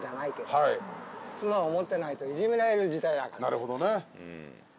なるほどね。